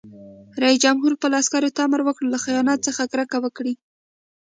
رئیس جمهور خپلو عسکرو ته امر وکړ؛ له خیانت څخه کرکه وکړئ!